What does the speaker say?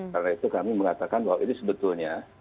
karena itu kami mengatakan bahwa ini sebetulnya